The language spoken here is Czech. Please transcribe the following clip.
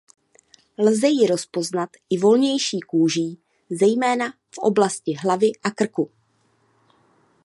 Lze ji rozpoznat i volnější kůží zejména pak v oblasti hlavy a krku.